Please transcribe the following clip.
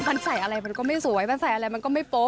มันใส่อะไรมันก็ไม่สวยมันใส่อะไรมันก็ไม่โป๊